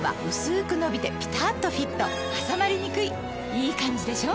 いいカンジでしょ？